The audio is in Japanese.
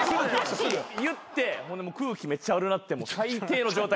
言って空気めっちゃ悪なって最低の状態。